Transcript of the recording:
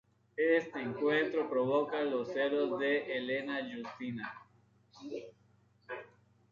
Este encuentro provoca los celos de Helena Justina.